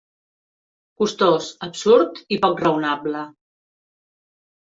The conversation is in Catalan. Costós, absurd i poc raonable.